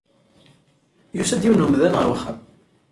Yusa-d yiwen n umdan ɣer uxxam.